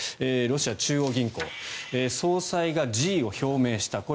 ロシア中央銀行総裁が辞意を表明した。